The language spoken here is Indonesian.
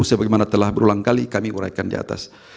sebagaimana telah berulang kali kami uraikan diatas